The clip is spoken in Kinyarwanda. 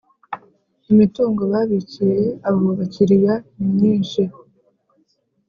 Imitungo babikiye abo bakiriya ni myinshi